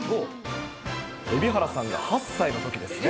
蛯原さんが８歳のときですね。